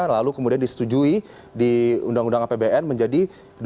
lalu kemudian disetujui di undang undang apbn menjadi dua dua ratus tiga puluh tiga dua